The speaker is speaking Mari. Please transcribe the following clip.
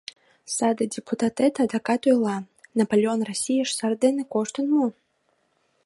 Саде депутатет адакат ойла: «Наполеон Российыш сар дене коштын мо?